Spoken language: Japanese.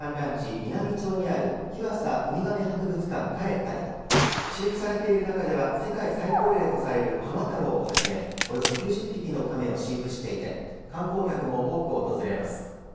美波町にある日和佐うみがめ博物館カレッタでは飼育されているなかでは世界最高齢とされる浜太郎を始めおよそ９０匹の亀を飼育していて観光客も多く訪れます。